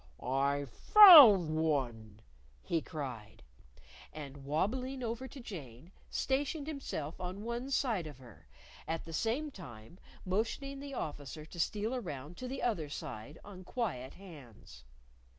"I found one!" he cried. And wabbling over to Jane, stationed himself on one side of her, at the same time motioning the Officer to steal round to the other side on quiet hands.